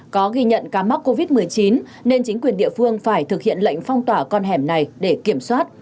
có ghi nhận ca mắc covid một mươi chín nên chính quyền địa phương phải thực hiện lệnh phong tỏa con hẻm này để kiểm soát